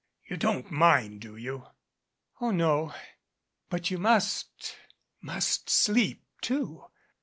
You don't mind, do you?" "Oh, no, but you must must sleep too.